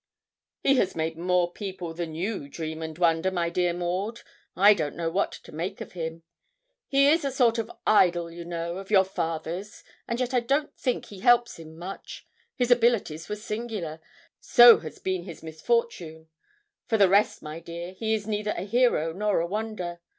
'He has made more people than you dream and wonder, my dear Maud. I don't know what to make of him. He is a sort of idol, you know, of your father's, and yet I don't think he helps him much. His abilities were singular; so has been his misfortune; for the rest, my dear, he is neither a hero nor a wonder.